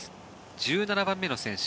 １７番目の選手